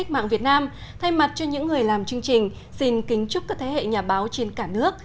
trên mặt cho những người làm chương trình xin kính chúc các thế hệ nhà báo trên cả nước